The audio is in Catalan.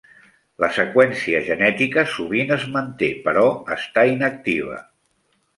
La seqüència genètica sovint es manté però està inactiva.